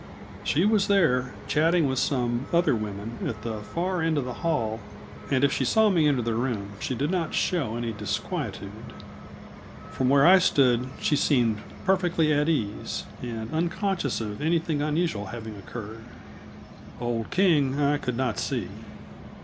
She was there, chatting with some other women, at the far end of the hall, and if she saw me enter the room she did not show any disquietude; from where I stood, she seemed perfectly at ease, and unconscious of anything unusual having occurred. Old King I could not see.